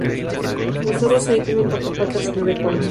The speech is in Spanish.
Los zorros ahí tienen cuatro patas y nueve colas.